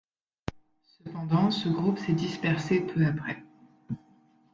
Cependant, ce groupe s'est dispersé peu après.